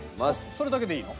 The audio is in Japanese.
それだけでいいの？